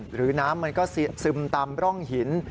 หรือน้ำมันก็ซึมตามร่องหิน